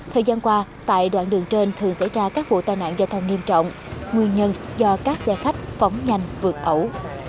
thời gian qua tại đoạn đường trên thường xảy ra các vụ tai nạn giao thông nghiêm trọng nguyên nhân do các xe khách phóng nhanh vượt ẩu